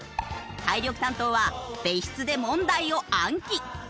体力担当は別室で問題を暗記。